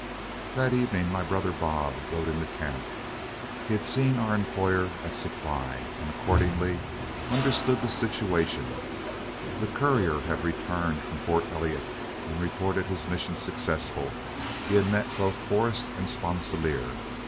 That evening my brother Bob rode into camp. He had seen our employer at Supply, and accordingly understood the situation. The courier had returned from Fort Elliott and reported his mission successful; he had met both Forrest and Sponsilier.